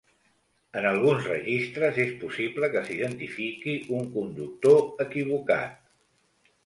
En alguns registres, és possible que s'identifiqui un conductor equivocat.